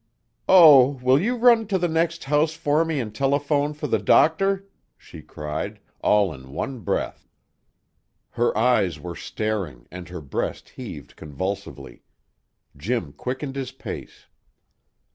"Oh! Will you run to the next house for me and telephone for the doctor?" she cried, all in one breath. Her eyes were staring and her breast heaved convulsively. Jim quickened his pace.